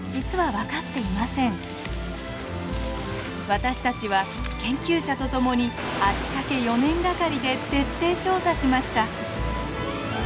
私たちは研究者と共に足かけ４年がかりで徹底調査しました。